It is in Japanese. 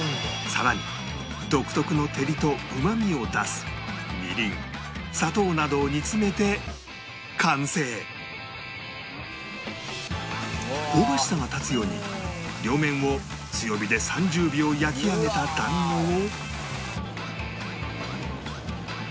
さらに独特の照りとうまみを出す香ばしさが立つように両面を強火で３０秒焼き上げた団子を